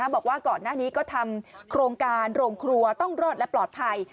บอกว่าก่อนหน้านี้ก็ทำโครงการโรงครัวต้องรอดและปลอดภัย